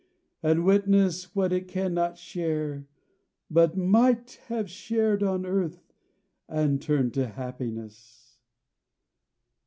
and witness what it cannot share, but might have shared on earth, and turned to happiness!"